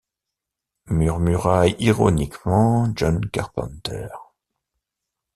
murmura ironiquement John Carpenter.